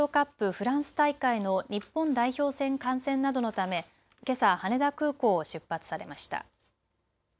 フランス大会の日本代表戦観戦などのため、けさ、羽田空港を出発されました。